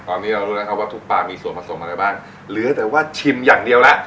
ตอนนี้เรารู้แล้วครับว่าทุกปลามีส่วนผสมอะไรบ้างเหลือแต่ว่าชิมอย่างเดียวแล้ว